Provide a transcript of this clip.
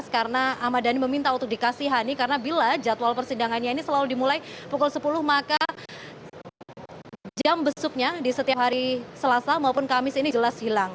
karena ahmad dhani meminta untuk dikasih hani karena bila jadwal persidangannya ini selalu dimulai pukul sepuluh maka jam besuknya di setiap hari selasa maupun kamis ini jelas hilang